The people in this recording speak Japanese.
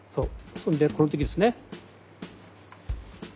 そんでこの時ですね